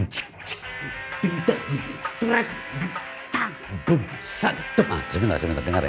coba dengar ya